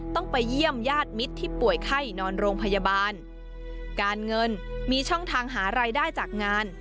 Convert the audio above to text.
ต้องไปเยี่ยมญาติมิตรที่ป่วยไข้นอนโรงพยาบาลการเงินมีช่องทางหารายได้จากงาน